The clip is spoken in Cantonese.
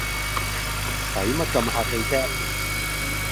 使乜咁客氣唧